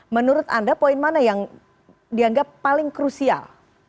menurut anda poin mana yang dianggap paling krusial